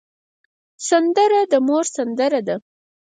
سندره د مور سندره ده